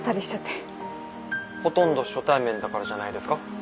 ほとんど初対面だからじゃないですか？